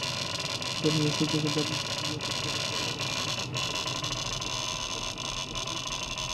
সুতরাং এই সুযোগে ভারত জ্ঞাতসারে বা অজ্ঞাতসারে কালবিলম্ব না করিয়া জগৎকে আধ্যাত্মিকতা দান করিতেছে।